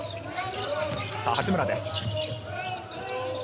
八村です。